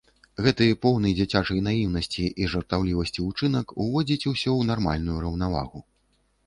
Гэты поўны дзіцячай наіўнасці, жартаўлівасці ўчынак уводзіць усё ў нармальную раўнавагу.